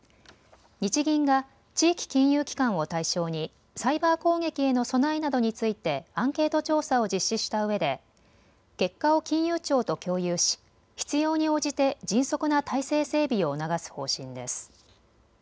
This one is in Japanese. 日銀が地域金融機関を対象にサイバー攻撃への備えなどについてアンケート調査を実施したうえで結果を金融庁と共有し必要に応じて迅速な体制整備を促す方針です。